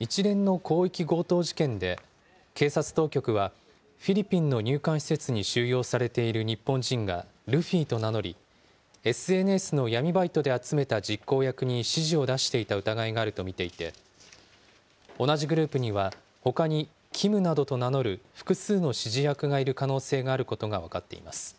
一連の広域強盗事件で、警察当局はフィリピンの入管施設に収容されている日本人がルフィと名乗り、ＳＮＳの闇バイトで集めた実行役に指示を出していた疑いがあると見ていて、同じグループには、ほかにキムなどと名乗る複数の指示役がいる可能性があることが分かっています。